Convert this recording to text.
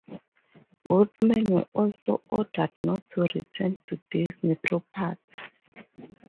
Both men were also ordered not to return to Disney property.